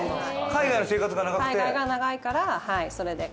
海外が長いから、それで。